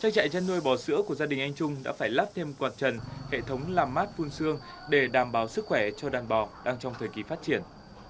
trang trại chăn nuôi bò sữa của gia đình anh trung đã phải lắp thêm quạt trần hệ thống làm mát phun xương để đảm bảo sức khỏe cho đàn bò đang trong thời kỳ phát triển